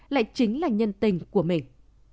lại chính là nhân tình của mình